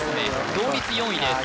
同率４位です